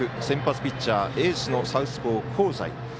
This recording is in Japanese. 先発ピッチャーエースのサウスポー香西。